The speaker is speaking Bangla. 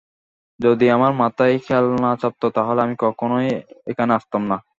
যদি আমার মাথায় খেয়াল না চাপত, তাহলে আমি কখনই এখানে আসতাম না।